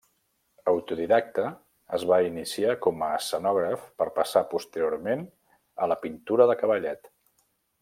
Autodidacte, es va iniciar com a escenògraf per passar posteriorment a la pintura de cavallet.